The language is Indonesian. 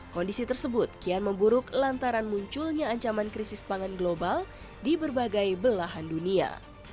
kondisi tersebut kian memburuk lantaran munculnya ancaman krisis pangan global di berbagai belahan dunia